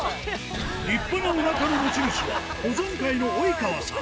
立派なおなかの持ち主は保存会の及川さん。